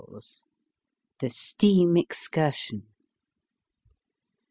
THE STEAM EXCURSION.